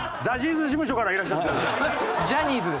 ジャニーズです。